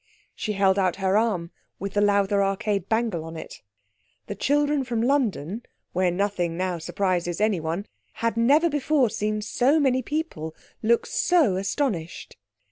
She held out her arm with the Lowther Arcade bangle on it. The children from London, where nothing now surprises anyone, had never before seen so many people look so astonished.